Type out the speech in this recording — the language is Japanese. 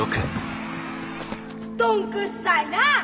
どんくっさいなあ。